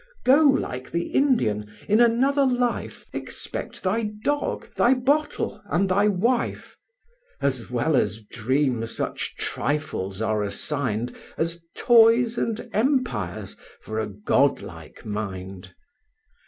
Go, like the Indian, in another life Expect thy dog, thy bottle, and thy wife: As well as dream such trifles are assigned, As toys and empires, for a God like mind.